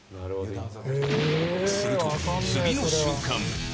すると、次の瞬間。